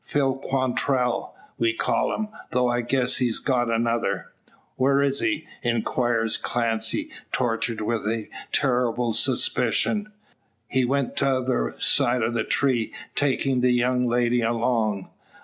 "Phil Quantrell, we call him; though I guess he's got another " "Where is he?" inquires Clancy, tortured with a terrible suspicion. "He went t'other side the tree, takin' the young lady along."